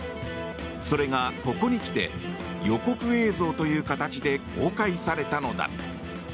それがここにきて予告映像という形で公開されたのだ。